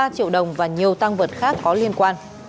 ba triệu đồng và nhiều tăng vật khác có liên quan